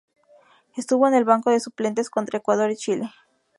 Estuvo en el banco de suplentes contra Ecuador y Chile.